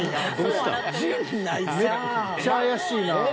めっちゃ怪しいな。